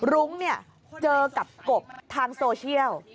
รุ้งเจอกับกบทางโซเชียล